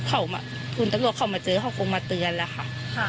เขาคุณตำรวจเขามาเจอเขาคงมาเตือนแล้วค่ะ